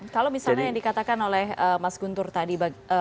kalau misalnya yang dikatakan oleh mas guntur tadi